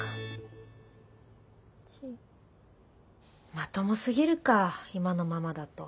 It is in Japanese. まともすぎるか今のままだと。